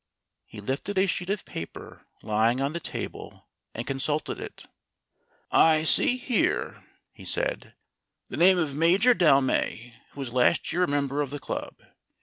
He lifted a sheet of paper lying on the table and con sulted it. "I see here," he said, "the name of Major Delmay, who was last year a member of the club.